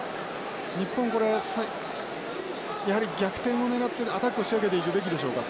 日本これやはり逆転を狙ってアタックを仕掛けていくべきでしょうか？